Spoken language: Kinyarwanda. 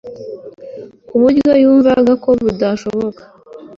ku buryo yumvaga ko bidashoboka